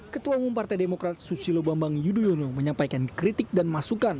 ketua umum partai demokrat susilo bambang yudhoyono menyampaikan kritik dan masukan